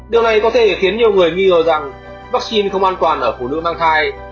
điều này có thể khiến nhiều người nghi ngờ rằng vaccine không an toàn ở phụ nữ mang thai